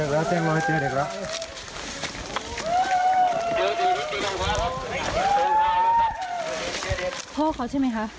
พ่อเขาใช่ไหมคะ